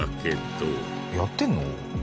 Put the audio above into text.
やってるの？